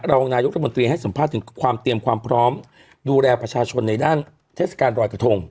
รองนายกรัฐมนตรีให้สัมภาษณ์ถึงความเตรียมความพร้อมดูแลประชาชนในด้านเทศกาลรอยกระทง